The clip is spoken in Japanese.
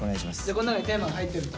この中にテーマが入ってると。